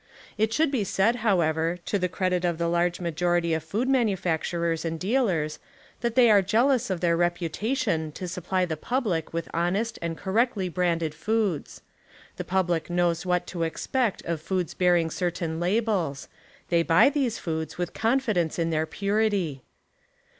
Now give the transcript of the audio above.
It should be said, however, to the credit of the large majority of food manufacturers and dealers that they are jealous of their reputation to supply the public with honest and correctly branded foods. The public knows what to expect of foods bearing certain labels — they buy these foods with confidence in their purity.